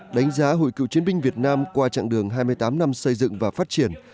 đánh giá hội cựu chiến binh việt nam qua chặng đường hai mươi tám năm xây dựng và phát triển